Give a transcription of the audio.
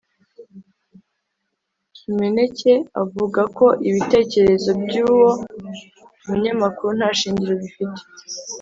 kimeneke avuga ko ibitekerezo by'uwo munyamakuru nta shingiro bifite.